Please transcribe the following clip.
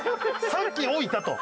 さっき置いたと。